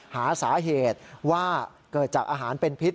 หาสาเหตุว่าเกิดจากอาหารเป็นพิษ